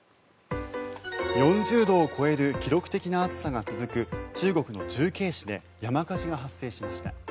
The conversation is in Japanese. ４０度を超える記録的な暑さが続く中国・重慶市で山火事が発生しました。